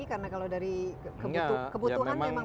karena kalau dari kebutuhan memang bisa